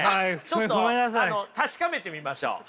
ちょっとあの確かめてみましょう。